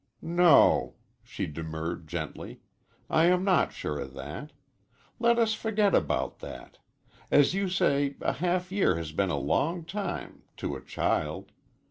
"No," she demurred gently. "I am not sure of that. Let us forget about that. As you say, a half year has been a long time to a child.